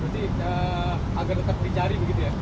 berarti agar tetap dicari begitu ya